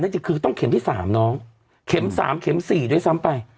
จริงคือต้องเข็มที่๓น้องเข็ม๓เข็ม๔ด้วยซ้ำไป